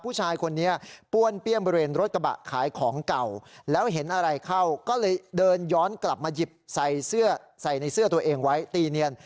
ผู้ชายคนนี้ป้วนเปี้ยมบริเวณรถกระบะขายของเก่าแล้วเห็นอะไรเข้าก็เลยเดินย้อนกลับมาหยิบใส่เสื้อใส่ในเสื้อตัวเองไว้ตีเนียน